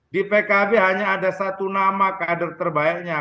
di pkb hanya ada satu nama kader terbaiknya